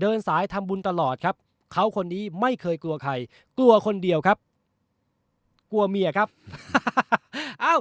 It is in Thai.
เดินสายทำบุญตลอดครับเขาคนนี้ไม่เคยกลัวใครกลัวคนเดียวครับกลัวเมียครับเอ้า